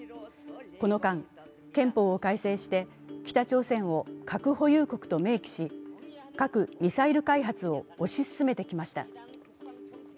この間、憲法を改正して北朝鮮を核保有国と明記し核・ミサイル開発を推し進めてきました。